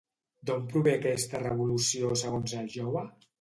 D'on prové aquesta revolució segons el jove?